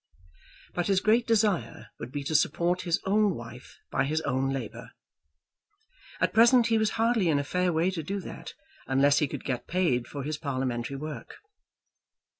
But his great desire would be to support his own wife by his own labour. At present he was hardly in a fair way to do that, unless he could get paid for his parliamentary work.